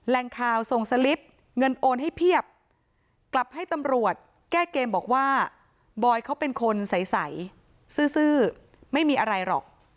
แรงข่าวส่งสลิปเงินโอนให้เพียบกลับให้ตำรวจแก้เกมบอกว่าบอยเขาเป็นคนใสซื่อไม่มีอะไรหรอก